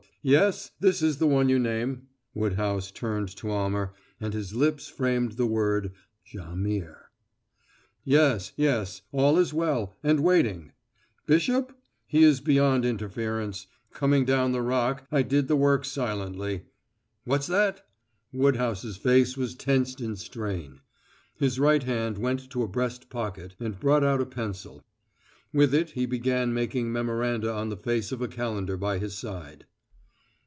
Yes, this is the one you name." Woodhouse turned to Almer, and his lips framed the word Jaimihr. "Yes, yes; all is well and waiting. Bishop? He is beyond interference coming down the Rock I did the work silently. What's that?" Woodhouse's face was tensed in strain; his right hand went to a breast pocket and brought out a pencil. With it he began making memoranda on the face of a calendar by his side.